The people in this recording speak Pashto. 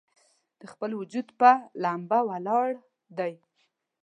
د خپل وجود پۀ ، لمبه ولاړ دی